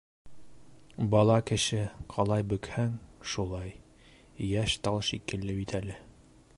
Бала кеше ҡалай бөкһәң, шулай, йәш тал шикелле бит әле.